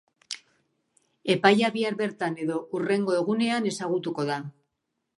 Epaia bihar bertan edo hurrengo egunean ezagutuko da.